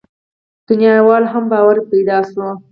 دنياوالو هم باور پيدا شو.